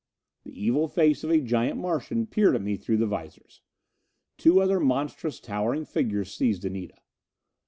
The evil face of a giant Martian peered at me through the visors. Two other monstrous, towering figures seized Anita.